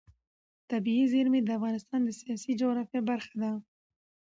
طبیعي زیرمې د افغانستان د سیاسي جغرافیه برخه ده.